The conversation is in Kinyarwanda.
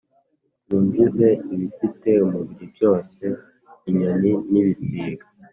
mwinjize ibifite umubiri byose inyoni n ibisiga